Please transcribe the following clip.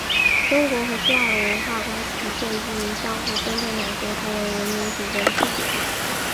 中国和希腊的文化关系建基于相互尊重两国同为文明古国的基础上。